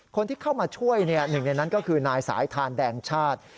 คนที่เข้ามาช่วยหนึ่งในนั้นก็คือนายสายทานแดงชาติ